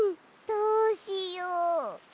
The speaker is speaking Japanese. どうしよう。